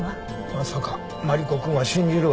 まさかマリコくんは信じるわけ？